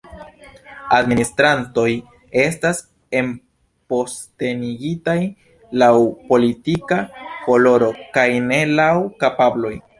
Administrantoj estas enpostenigitaj laŭ politika koloro, kaj ne laŭ kapabloj.